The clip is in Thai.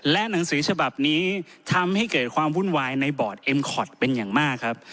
และหนังสือฉบับนี้ทำให้เกิดความวุ่นวายในบอร์ดเอ็มคอร์ดเป็นอย่างมากครับ